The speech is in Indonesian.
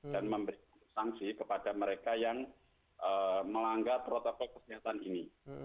dan memberikan sanksi kepada mereka yang melanggar protokol kesehatan ini